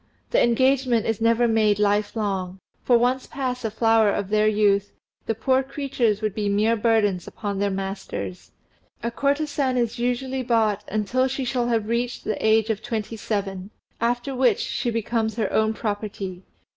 The engagement is never made life long, for once past the flower of their youth the poor creatures would be mere burthens upon their masters; a courtesan is usually bought until she shall have reached the age of twenty seven, after which she becomes her own property.